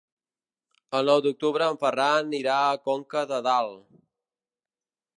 El nou d'octubre en Ferran irà a Conca de Dalt.